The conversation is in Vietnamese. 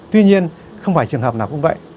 tuy nhiên không phải trường hợp nào cũng vậy